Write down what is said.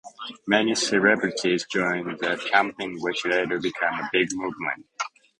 Many celebrities joined the campaign which later became a big movement.